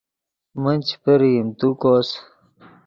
من چے پرئیم تو کوس